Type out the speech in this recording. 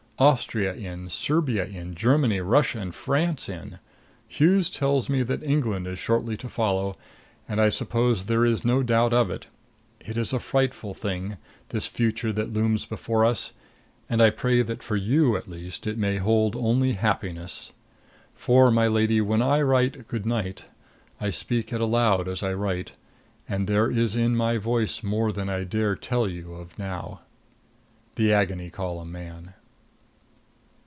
Austria in; Serbia in; Germany, Russia and France in. Hughes tells me that England is shortly to follow, and I suppose there is no doubt of it. It is a frightful thing this future that looms before us; and I pray that for you at least it may hold only happiness. For, my lady, when I write good night, I speak it aloud as I write; and there is in my voice more than I dare tell you of now. THE AGONY COLUMN MAN.